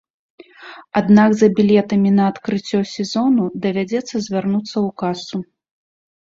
Аднак за білетамі на адкрыццё сезону давядзецца звярнуцца ў касу.